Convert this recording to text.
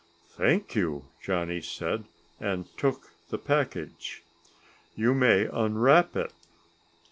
"Thank you," Johnny said, and took the package. "You may unwrap it."